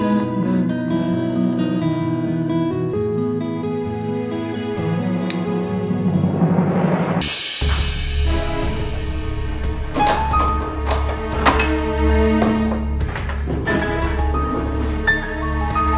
yang fikir disamanya